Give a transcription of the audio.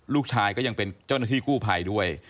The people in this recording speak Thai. ลูกชายก็ยังเป็นเจ้าหน้าที่กู้ภัยด้วย